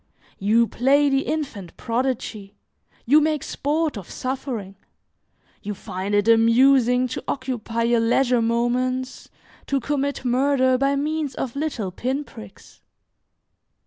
You play the infant prodigy, you make sport of suffering; you find it amusing to occupy your leisure moments, to commit murder by means of little pin pricks.